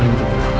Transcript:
aku gak pernah mau